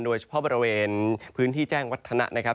โดยเฉพาะบริเวณพื้นที่แจ้งวัฒนะนะครับ